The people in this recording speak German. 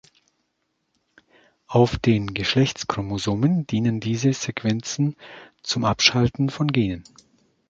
Auf den Geschlechtschromosomen dienen diese Sequenzen zum Abschalten von Genen.